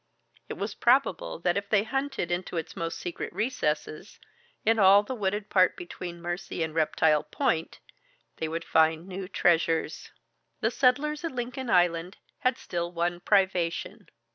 It was probable that if they hunted into its most secret recesses, in all the wooded part between the Mercy and Reptile Point, they would find new treasures. The settlers in Lincoln Island had still one privation.